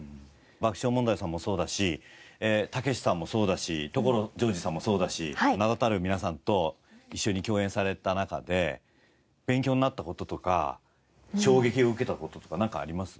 爆笑問題さんもそうだしたけしさんもそうだし所ジョージさんもそうだし名だたる皆さんと一緒に共演された中で勉強になった事とか衝撃を受けた事とか何かあります？